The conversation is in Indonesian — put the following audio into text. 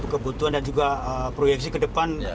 kebutuhan dan juga proyeksi ke depan